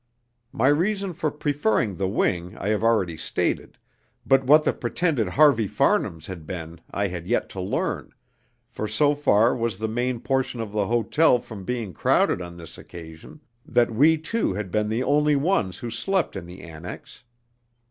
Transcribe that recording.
My reason for preferring the wing I have already stated, but what the pretended Harvey Farnham's had been I had yet to learn, for so far was the main portion of the hotel from being crowded on this occasion, that we two had been the only ones who slept in the annex.